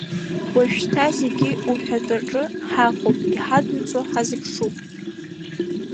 Уажәшьҭа зегьы уҳәатәаҿы ҳаҟоуп, иҳадуҵо ҳазыԥшуп!